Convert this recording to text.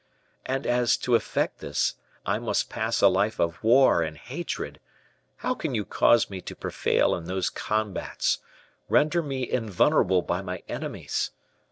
And as, to effect this, I must pass a life of war and hatred, how can you cause me to prevail in those combats render me invulnerable by my enemies?